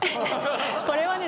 これはね